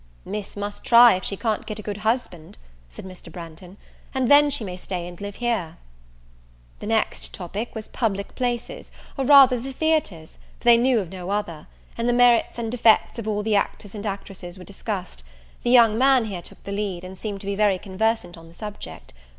"Miss must try if she can't get a good husband," said Mr. Branghton, "and then she may stay and live here." The next topic was public places, or rather the theatres, for they knew of no other; and the merits and defects of all the actors and actresses were discussed: the young man here took the lead, and seemed to be very conversant on the subject.